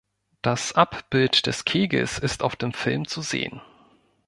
Das Abbild des Kegels ist auf dem Film zu sehen.